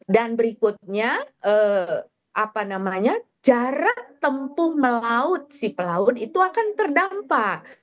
dan berikutnya apa namanya jarak tempuh melaut si pelaut itu akan terdampak